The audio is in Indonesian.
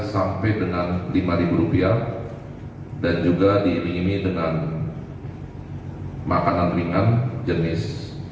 sampai dengan lima ribu rupiah dan juga diiming iming dengan makanan ringan jenis